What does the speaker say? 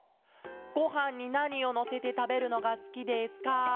「ごはんになにをのせてたべるのがすきですか？